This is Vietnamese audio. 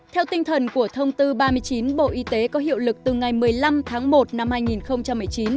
theo tinh thần của thông tư ba mươi chín bộ y tế có hiệu lực từ ngày một mươi năm tháng một năm hai nghìn một mươi chín